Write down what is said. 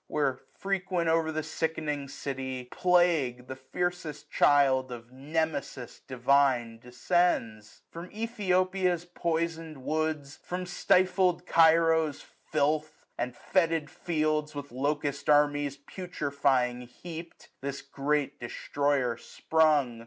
Where, frequent o'er the sickening city. Plague, The fiercest child of Nemesis divine. Descends? From Ethiopia's poisoned woods, 1055 From stifled Cairo's filth, and fetid fields With locust armies putrefying heap'd. This great destroyer sprung.